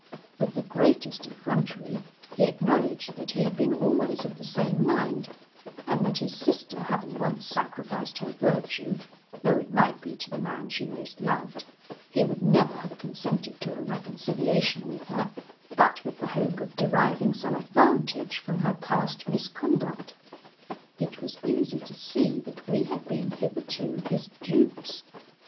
With the greatest effrontery he acknowledged that he had been always of the same mind, and that his sister having once sacrificed her virtue, though it might be to the man she most loved, he would never have consented to a reconciliation with her, but with the hope of deriving some advantage from her past misconduct. "It was easy to see that we had been hitherto his dupes.